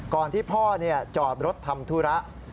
ที่พ่อจอดรถทำธุระ